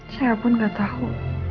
saya pun gak tau